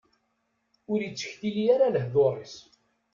Ur ittektili ara lehḍur-is.